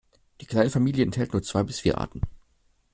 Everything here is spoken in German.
Die kleine Familie enthält nur zwei bis vier Arten.